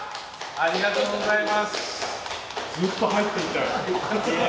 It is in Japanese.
ありがとうございます。